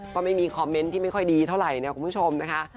ก็ไม่มีคอมเมนต์ที่ไม่ค่อยดีเท่าไหร่เนี่ยคุณผู้ชมนะคะ